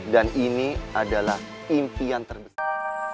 dan ini adalah impian terbesar